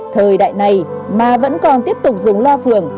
thời đại này mà vẫn còn tiếp tục dùng loa phường